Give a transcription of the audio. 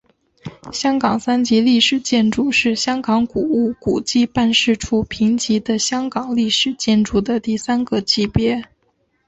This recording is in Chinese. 香港三级历史建筑是香港古物古迹办事处评级的香港历史建筑的第三个级别。